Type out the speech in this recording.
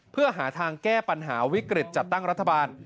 เพื่อหาทางแก้ปัญหาวิกฤตจัดตั้งรัฐบาล